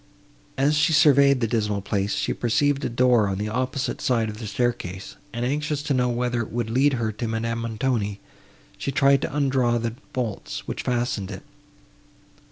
As she surveyed this dismal place, she perceived a door on the opposite side of the staircase, and, anxious to know whether it would lead her to Madame Montoni, she tried to undraw the bolts, which fastened it.